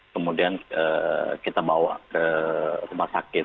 kemudian kita bawa ke rumah sakit